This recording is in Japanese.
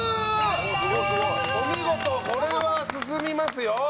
お見事これは進みますよ。